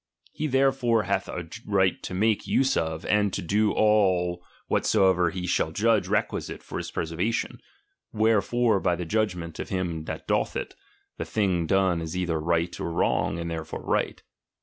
He therefore hath a right to make use of, and to do all whatsoever he shall judge requisite for his preservation; wherefore by the judgment of him that doth it, the thing done is either right or wrong, and therefore right.